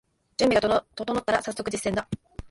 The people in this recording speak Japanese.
準備が整ったらさっそく実践だ